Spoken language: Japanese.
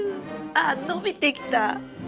あ伸びてきた。